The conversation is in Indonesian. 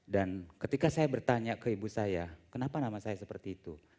dan ketika saya bertanya ke ibu saya kenapa nama saya seperti itu